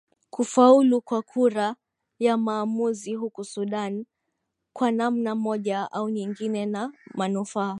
kufaulu kwa kura ya maamuzi huku sudan kwa namna moja au nyingine na manufaa